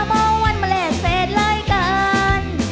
เมื่อวันมาแลกเศษร้ายกัน